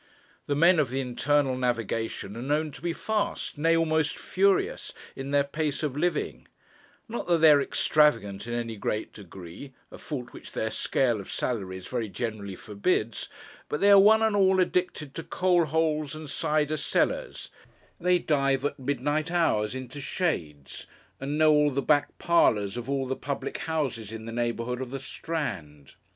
The men of the Internal Navigation are known to be fast, nay, almost furious in their pace of living; not that they are extravagant in any great degree, a fault which their scale of salaries very generally forbids; but they are one and all addicted to Coal Holes and Cider Cellars; they dive at midnight hours into Shades, and know all the back parlours of all the public houses in the neighbourhood of the Strand.